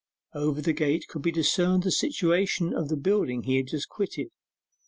Over the gate could be discerned the situation of the building he had just quitted.